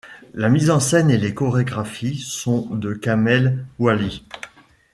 La mise en scène et les chorégraphies sont de Kamel Ouali.